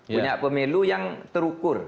punya pemilu yang terukur